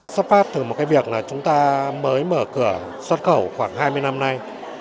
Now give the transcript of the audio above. xuất phát từ một cái việc là chúng ta mới mở cửa xuất khẩu khoảng hai mươi năm nay